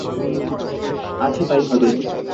আচ্ছা, তাই হবে!